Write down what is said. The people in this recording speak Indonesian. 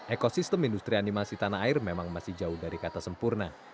ekosistem industri animasi tanah air memang masih jauh dari kata sempurna